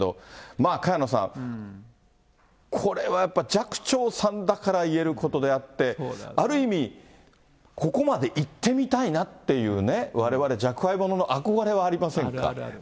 まあ、萱野さん、これはやっぱり寂聴さんだから言えることであって、ある意味、ここまでいってみたいなっていうね、われわれ、若輩者の憧れはありませんか？